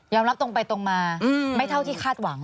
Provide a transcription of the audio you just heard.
รับตรงไปตรงมาไม่เท่าที่คาดหวัง